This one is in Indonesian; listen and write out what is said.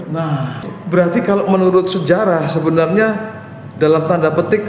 nah berarti kalau menurut sejarah sebenarnya dalam tanda petik